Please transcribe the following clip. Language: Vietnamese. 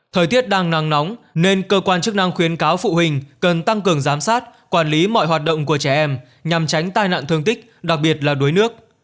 thời tiết đang nắng nóng nên cơ quan chức năng khuyến cáo phụ huynh cần tăng cường giám sát quản lý mọi hoạt động của trẻ em nhằm tránh tai nạn thương tích đặc biệt là đuối nước